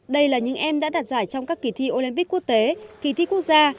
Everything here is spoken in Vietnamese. đây là những em đã đạt giải trong các kỳ thi olympic quốc tế kỳ thi quốc gia